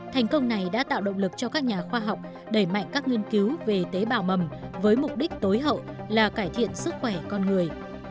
thành công này đã tạo động lực cho các nhà khoa học đẩy mạnh các nghiên cứu về tế bào mầm với mục đích tối hậu là cải thiện sức khỏe con người